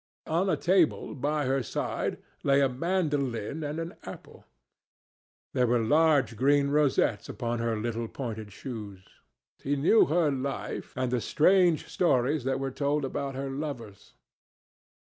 On a table by her side lay a mandolin and an apple. There were large green rosettes upon her little pointed shoes. He knew her life, and the strange stories that were told about her lovers.